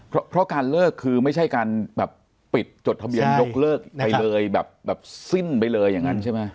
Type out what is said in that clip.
เพราะการเลิกคือไม่ใช่การแบบปิดจดทะเบียนยกเลิกไปเลยแบบสิ้นไปเลยอย่างนั้นใช่ไหม